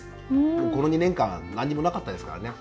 この２年間何もなかったですからね。